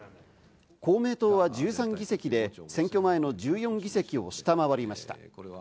公明党は１３議席で、選挙前の１４議席を下回りました。